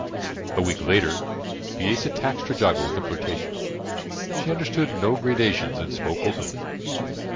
A week later, Bisesa taxed Trejago with the flirtation. She understood no gradations and spoke openly.